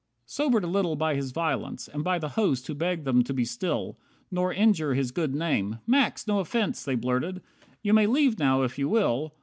52 Sobered a little by his violence, And by the host who begged them to be still, Nor injure his good name, "Max, no offence," They blurted, "you may leave now if you will."